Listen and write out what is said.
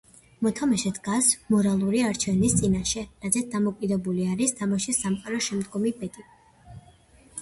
მოთამაშე დგას მორალური არჩევნის წინაშე, რაზეც დამოკიდებული არის თამაშის სამყაროს შემდგომი ბედი.